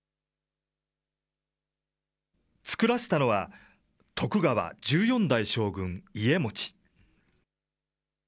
作らせたのは、徳川１４代将軍、家茂。